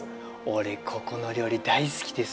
俺ここの料理大好きでさ